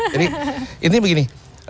jadi intinya begini